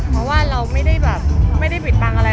เพราะว่าเราไม่ได้แบบไม่ได้ปิดบังอะไร